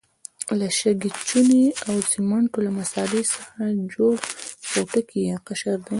له شګې، چونې او سمنټو له مسالې څخه جوړ پوټکی یا قشر دی.